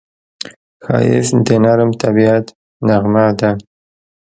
ښایست د نرم طبیعت نغمه ده